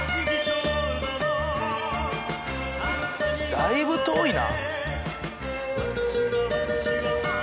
だいぶ遠いな。